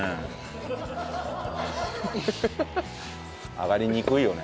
あがりにくいよね。